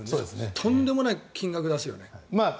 とんでもない金額を出すよね。